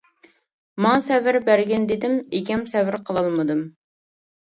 ماڭا سەۋر بەرگىن دېدىم ئىگەم سەۋر قىلالمىدىم.